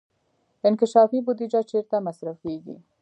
انکشافي بودجه چیرته مصرفیږي؟